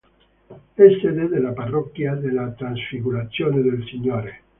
È sede della parrocchia della Trasfigurazione del Signore.